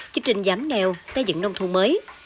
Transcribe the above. chương trình giám nghèo xây dựng nông thu mới